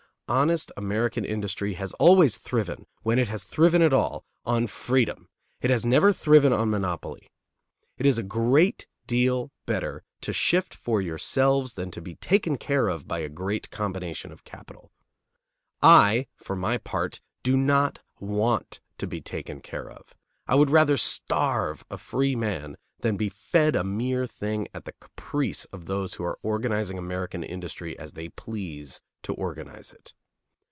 Honest American industry has always thriven, when it has thriven at all, on freedom; it has never thriven on monopoly. It is a great deal better to shift for yourselves than to be taken care of by a great combination of capital. I, for my part, do not want to be taken care of. I would rather starve a free man than be fed a mere thing at the caprice of those who are organizing American industry as they please to organize it.